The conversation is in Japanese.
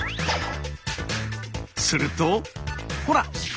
するとほら！